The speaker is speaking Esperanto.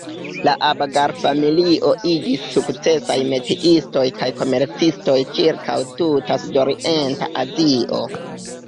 La Abgar-familio iĝis sukcesaj metiistoj kaj komercistoj ĉirkaŭ tuta sudorienta Azio.